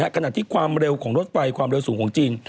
ขณะที่ความเร็วของรถไฟความเร็วสูงของจีน